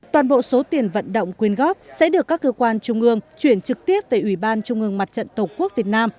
toàn bộ số tiền vận động quyên góp sẽ được các cơ quan trung ương chuyển trực tiếp về ủy ban trung ương mặt trận tổ quốc việt nam